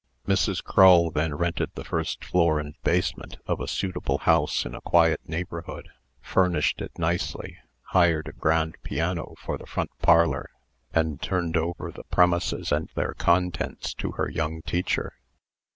Mrs. Crull then rented the first floor and basement of a suitable house in a quiet neighborhood, furnished it nicely, hired a grand piano for the front parlor, and turned over the premises and their contents to her young teacher.